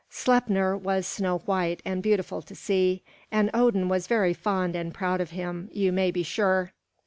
Sleipnir was snow white and beautiful to see, and Odin was very fond and proud of him, you may be sure.